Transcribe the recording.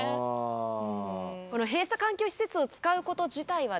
この閉鎖環境施設を使うこと自体はですね